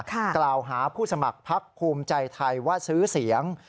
กล่าวหาผู้สมัครพักภูมิใจไทยว่าซื้อเสียง